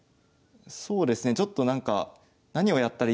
そうですねちょっとなんか何をやったらいいのかがね。